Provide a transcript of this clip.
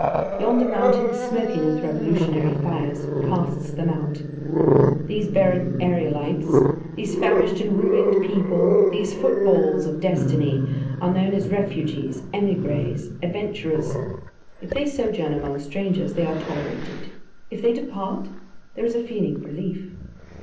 Yonder mountain, smoking with revolutionary fires, casts them out. These barren aërolites, these famished and ruined people, these footballs of destiny, are known as refugees, émigrés, adventurers. If they sojourn among strangers, they are tolerated; if they depart, there is a feeling of relief.